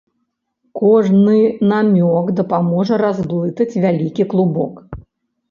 Кожны намёк дапаможа разблытаць вялікі клубок.